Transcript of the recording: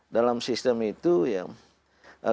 dalam sistem itu ya